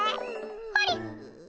あれ？